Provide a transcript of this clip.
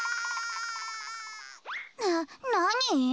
ななに？